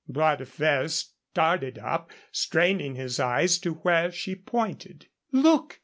Bras de Fer started up, straining his eyes to where she pointed. "Look!"